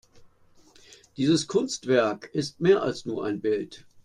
Dieses Kunstwerk ist mehr als nur ein Bild.